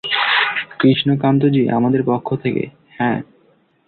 কৃষ্ণকান্তজি, আমাদের পক্ষ থেকে, হ্যাঁঁ।